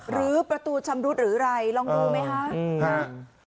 หรือประตูชำรุดหรืออะไรลองดูไหมคะ